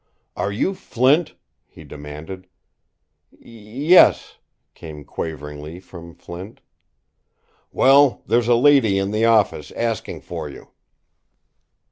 "Are you Flint?" he demanded. "Y e s," came quaveringly from Flint. "Well, there's a lady in the office asking for you."